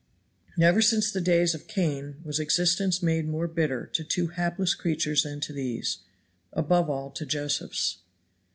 Never since the days of Cain was existence made more bitter to two hapless creatures than to these above all to Josephs.